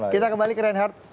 kita kembali ke reinhardt